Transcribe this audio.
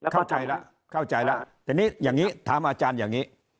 เข้าใจแล้วเข้าใจแล้วแต่นี่อย่างนี้ถามอาจารย์อย่างนี้